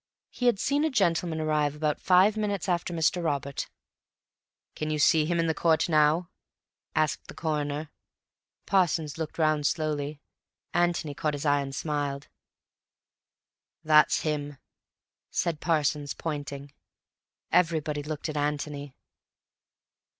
He had seen a gentleman arrive about five minutes after Mr. Robert. "Can you see him in court now?" asked the Coroner. Parsons looked round slowly. Antony caught his eye and smiled. "That's him," said Parsons, pointing. Everybody looked at Antony.